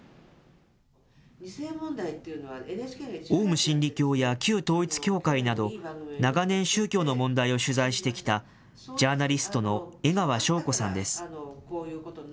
オウム真理教や旧統一教会など、長年、宗教の問題を取材してきた、ジャーナリストの江川紹子さんです。